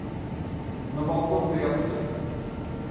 На балкон дверь открыта!